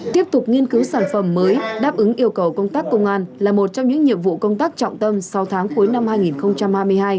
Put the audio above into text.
tiếp tục nghiên cứu sản phẩm mới đáp ứng yêu cầu công tác công an là một trong những nhiệm vụ công tác trọng tâm sáu tháng cuối năm hai nghìn hai mươi hai